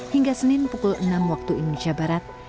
hingga senin pukul enam waktu indonesia barat